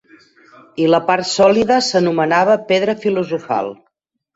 I la part sòlida s'anomenava Pedra filosofal.